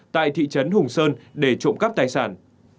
tại thị trấn hùng sơn để trộm cắp tài sản